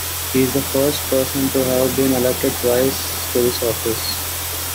He is the first person to have been elected twice to this office.